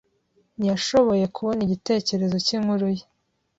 Ntiyashoboye kubona igitekerezo cyinkuru ye.